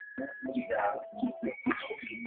Emisango emipya okuva mu poliisi nagyo gyakuwandiisibwa